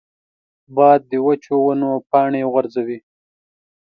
باد د وچو ونو پاڼې غورځوي